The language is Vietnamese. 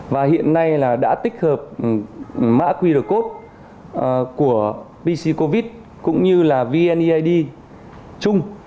và hiện nay đã tích hợp mã qr code của pc covid cũng như là vneid chung